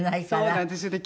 そうなんですよね。